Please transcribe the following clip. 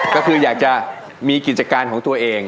ก็คืออยากจะมีกิจการของตัวเอง